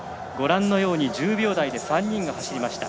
１０秒台で３人が走りました。